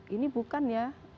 ini bukan ya